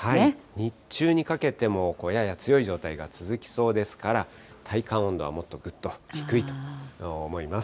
日中にかけてもやや強い状態が続きそうですから、体感温度はもっとぐっと低いと思います。